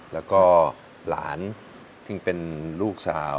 แล้วก็หลานซึ่งเป็นลูกสาว